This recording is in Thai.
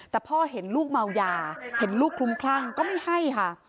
แต่พ่อเห็นลูกเมายาเห็นลูกคลุมคลั่งก็ไม่ให้ค่ะ